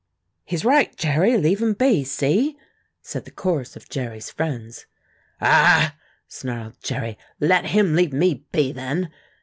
"He's right, Jerry. Leave him be see?" said the chorus of Jerry's friends. "A a a h!" snarled Jerry. "Let him leave me be, then.